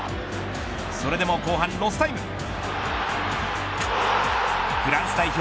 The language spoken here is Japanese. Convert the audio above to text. それでも後半ロスタイム。